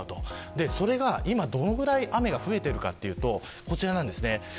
それが今どのぐらい雨が増えているかというとこちらです。